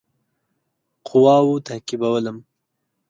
قواوو تعقیبولم.